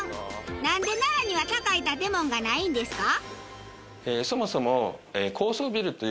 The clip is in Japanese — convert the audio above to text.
なんで奈良には高い建物がないんですか？